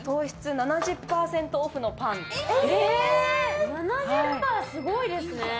７０％、すごいですね。